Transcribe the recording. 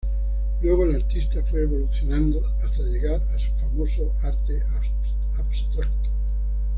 Luego el artista fue evolucionando hasta llegar a su famoso arte abstracto.